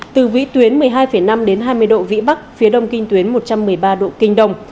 từ vĩ tuyến một mươi hai năm đến hai mươi độ vĩ bắc phía đông kinh tuyến một trăm một mươi ba độ kinh đông